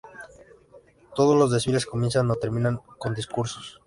Todos los desfiles comienzan o terminan con discursos.